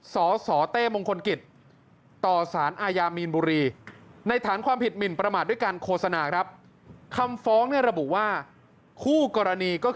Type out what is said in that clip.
สสเต้มคกตศอมบร